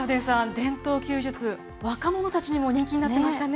伝統弓術、若者たちにも人気になっていましたね。